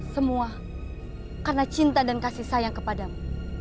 semua karena cinta dan kasih sayang kepadamu